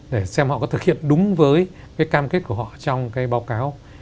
để xem họ có thực hiện đúng với cái cam kết của họ trong cái báo cáo